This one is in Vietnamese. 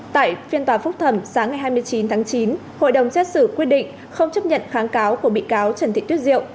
tại phiên tòa phúc thẩm sáng ngày hai mươi chín tháng chín hội đồng xét xử quyết định không chấp nhận kháng cáo của bị cáo trần thị tuyết diệu